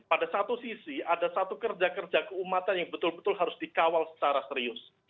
pada satu sisi ada satu kerja kerja keumatan yang betul betul harus dikawal secara serius